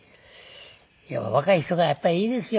若い人がやっぱりいいですよ。